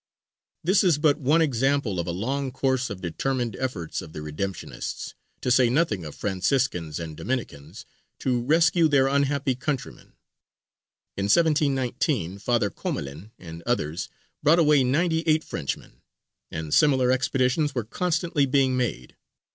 This is but one example of a long course of determined efforts of the Redemptionists (to say nothing of Franciscans and Dominicans) to rescue their unhappy countrymen. In 1719 Father Comelin and others brought away ninety eight Frenchmen, and similar expeditions were constantly being made.